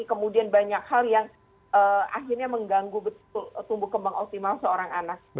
kemudian banyak hal yang akhirnya mengganggu tumbuh kembang optimal seorang anak